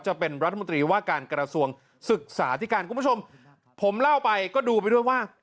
จะเป็นรัฐมนตรีว่าการกระทรวงศึกษาที่การคุณผู้ชมผมเล่าไปก็ดูไปด้วยว่า